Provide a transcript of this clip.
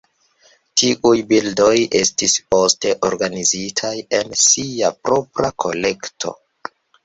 Tiuj bildoj estis poste organizitaj en sia propra kolekto.